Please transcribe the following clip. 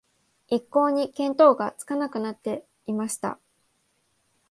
一向に見当がつかなくなっていました